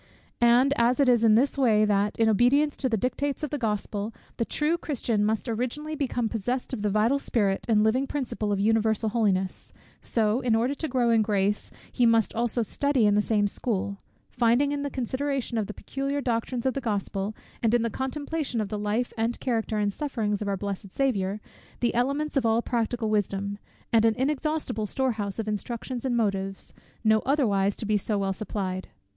_ And as it is in this way, that, in obedience to the dictates of the Gospel, the true Christian must originally become possessed of the vital spirit and living principle of universal holiness; so, in order to grow in grace, he must also study in the same school; finding in the consideration of the peculiar doctrines of the Gospel, and in the contemplation of the life, and character, and sufferings of our blessed Saviour, the elements of all practical wisdom, and an inexhaustible storehouse of instructions and motives, no otherwise to be so well supplied.